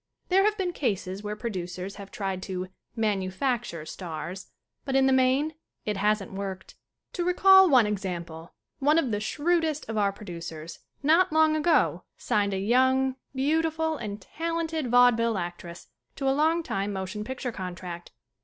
There have been cases where producers have tried to "manufacture" stars. But, in the main, it hasn't worked. 23 24 SCREEN ACTING To recall one example : One of the shrewd est of our producers not long ago signed a young, beautiful and talented vaudeville act ress to a long time motion picture contract.